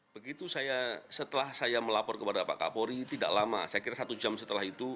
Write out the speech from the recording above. begitu saya setelah saya melapor kepada pak kapolri tidak lama saya kira satu jam setelah itu